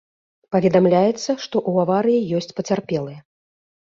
Паведамляецца, што ў аварыі ёсць пацярпелыя.